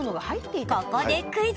ここでクイズ。